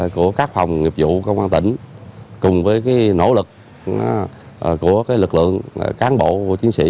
của các phòng nghiệp vụ công an tỉnh cùng với nỗ lực của lực lượng cán bộ của chiến sĩ